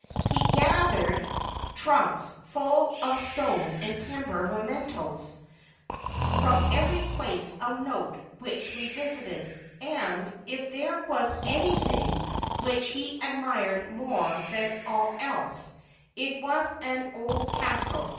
He gathered trunks full of stone and timber mementos from every place of note which we visited; and, if there was anything which he admired more than all else, it was an old castle.